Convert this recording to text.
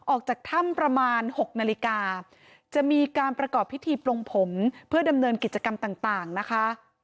ออกจากถ้ำประมาณ๖นาฬิกาจะมีการประกอบพิธีปลงผมเพื่อดำเนินกิจกรรมต่างนะคะ